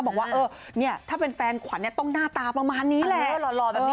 บอกว่าเออเนี่ยถ้าเป็นแฟนขวัญต้องหน้าตาประมาณนี้แหละ